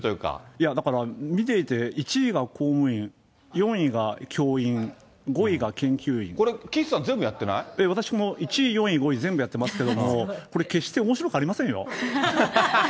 いや、だから見ていて、１位が公務員、４位が教員、これ、岸さん、全部やってな私、１位、４位、５位全部やってますけども、これ、決しておもしろくありませんよ。